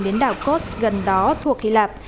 tàu chở người di cư đến đảo kos gần đó thuộc hy lạp